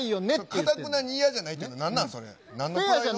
かたくなに嫌じゃないってなんなん、それ？